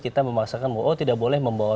kita memaksakan bahwa oh tidak boleh membawa